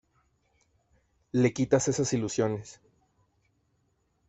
le quitas esas ilusiones.